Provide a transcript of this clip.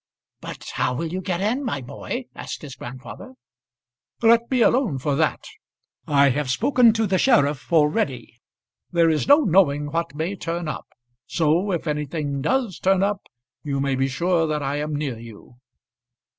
"But how will you get in, my boy?" asked his grandfather. "Let me alone for that. I have spoken to the sheriff already. There is no knowing what may turn up; so if anything does turn up you may be sure that I am near you."